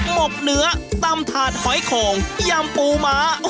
หกเนื้อตำถาดหอยโข่งยำปูม้า